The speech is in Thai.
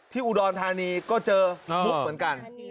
อุดรธานีก็เจอมุกเหมือนกัน